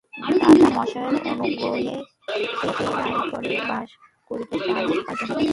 দাদা মহাশয়ের অনুগ্রহে সে রায়গড়ে বাস করিতে পাইত।